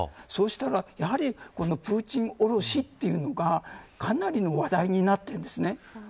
そしたら、やはりプーチンおろしというのがかなりの話題になってるんです。